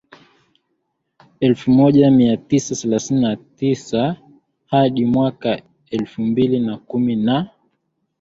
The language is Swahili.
elfu moja mia tisa themanini na tisa hadi mwaka elfu mbili na kumi na